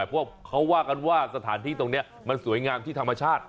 เพราะเขาว่ากันว่าสถานที่ตรงนี้มันสวยงามที่ธรรมชาติ